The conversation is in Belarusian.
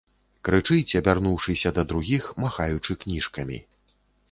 Крычыць, абярнуўшыся да другіх, махаючы кніжкамі.